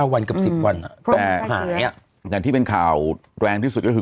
สิบวันกับสิบวันอ่ะก็หายอ่ะแต่แหละที่เป็นข่าวแรงที่สุดก็คือ